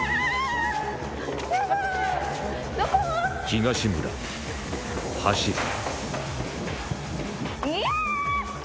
東村走る嫌！